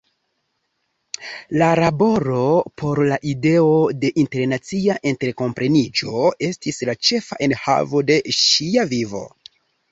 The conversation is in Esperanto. Laboro por la ideo de internacia interkompreniĝo estis la ĉefa enhavo de ŝia vivo.